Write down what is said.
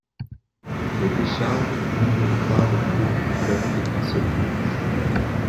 Les décharges n'émurent pas le cours du fleuve étincelant.